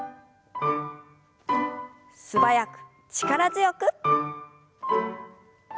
素早く力強く。